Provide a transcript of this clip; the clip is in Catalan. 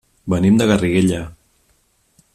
Venim de Garriguella.